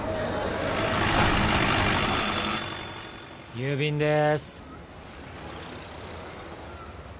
郵便です。